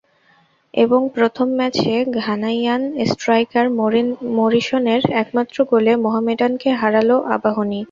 এবং প্রথম ম্যাচে ঘানাইয়ান স্ট্রাইকার মরিসনের একমাত্র গোলে মোহামেডানকে হারাল আবাহনী।